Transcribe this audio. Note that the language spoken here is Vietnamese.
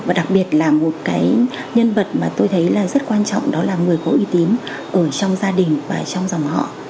và đặc biệt là một cái nhân vật mà tôi thấy là rất quan trọng đó là người có uy tín ở trong gia đình và trong dòng họ